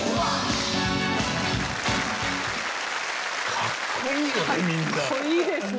かっこいいよね